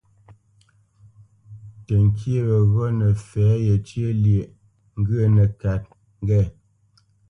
Təŋkyé weghó nə́ fɛ̌ yencyə̂ lyêʼ ŋgwə nə́kát ŋge.